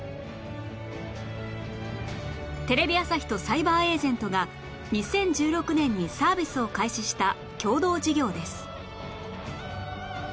テレビ朝日とサイバーエージェントが２０１６年にサービスを開始した共同事業です